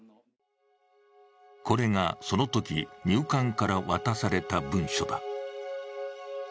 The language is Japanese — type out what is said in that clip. これが、そのとき入管から渡された文書だ。